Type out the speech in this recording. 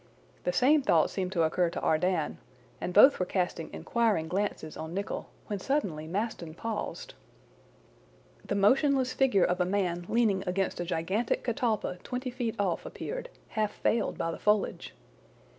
The same thought seemed to occur to Ardan; and both were casting inquiring glances on Nicholl, when suddenly Maston paused. The motionless figure of a man leaning against a gigantic catalpa twenty feet off appeared, half veiled by the foliage.